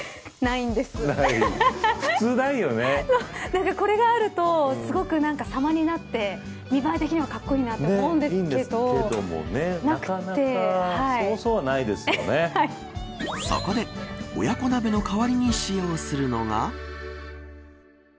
なんか、これがあるとすごく、さまになって見栄え的にはかっこいいなと思うんですけどそこで親子鍋の代わりに使用するのが。